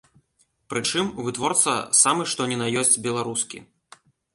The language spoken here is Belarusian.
Прычым, вытворца самы што ні на ёсць беларускі.